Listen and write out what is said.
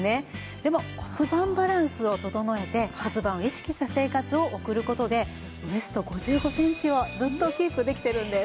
でも骨盤バランスを整えて骨盤を意識した生活を送る事でウエスト５５センチをずっとキープできているんです。